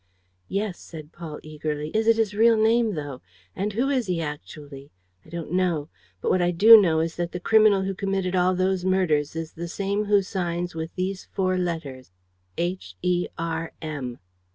"Yes," said Paul, eagerly. "Is it his real name, though? And who is he actually? I don't know. But what I do know is that the criminal who committed all those murders is the same who signs with these four letters, H, E, R, M."